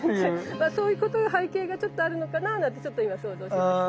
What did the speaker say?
まあそういうことが背景がちょっとあるのかななんてちょっと今想像しました。